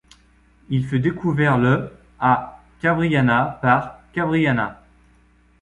Il fut découvert le à Cavriana par Cavriana.